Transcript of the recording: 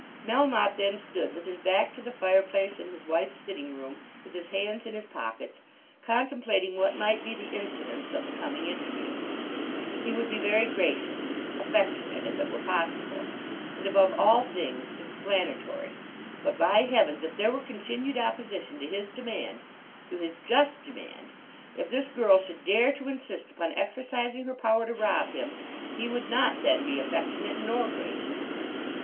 Melmotte then stood with his back to the fire place in his wife's sitting room, with his hands in his pockets, contemplating what might be the incidents of the coming interview. He would be very gracious, affectionate if it were possible, and, above all things, explanatory. But, by heavens, if there were continued opposition to his demand, to his just demand, if this girl should dare to insist upon exercising her power to rob him, he would not then be affectionate, nor gracious!